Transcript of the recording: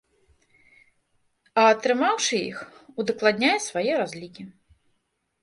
А атрымаўшы іх, удакладняе свае разлікі.